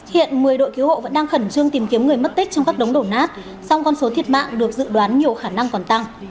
hiện một mươi đội cứu hộ vẫn đang khẩn trương tìm kiếm người mất tích trong các đống đổ nát song con số thiệt mạng được dự đoán nhiều khả năng còn tăng